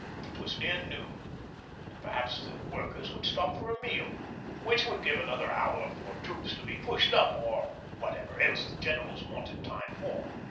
It was near noon, and perhaps the workers would stop for a meal, which would give another hour for troops to be pushed up or whatever else the Generals wanted time for.